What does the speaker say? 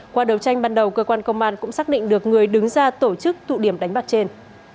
qua đấu tranh ban đầu cơ quan công an cũng xác định được người đứng ra tổ chức tụ điểm đánh bạc trên